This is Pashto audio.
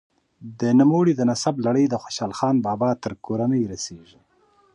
د نوموړي د نسب لړۍ د خوشحال خان بابا تر کورنۍ رسیږي.